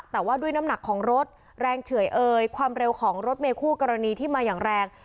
แต่ว่าด้วยน้ำหนักของรถแรงเฉื่อยเอยความเร็วของรถเมย์คู่กรณีที่มาอย่างแรง